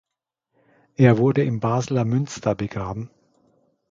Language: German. Er wurde im Basler Münster begraben.